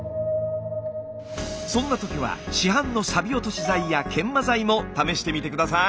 そんな時は市販のサビ落とし剤や研磨剤も試してみて下さい。